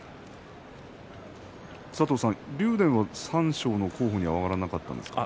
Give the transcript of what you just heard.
竜電は三賞の候補に挙がらなかったんですか。